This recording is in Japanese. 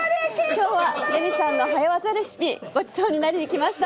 今日はレミさんの早わざレシピごちそうになりにきました。